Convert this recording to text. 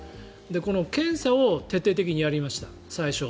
この検査を徹底的にやりました最初。